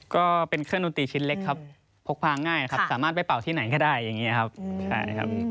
ก็เป็นเครื่องดนตรีชิ้นเล็กครับพกพาง่ายครับสามารถไปเป่าที่ไหนก็ได้อย่างนี้ครับใช่ครับ